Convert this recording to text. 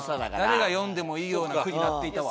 誰が詠んでもいいような句になっていたわ。